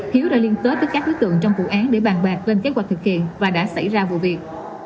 hiếu đã liên kết với các đối tượng trong vụ án để bàn bạc lên kế hoạch thực hiện và đã xảy ra vụ việc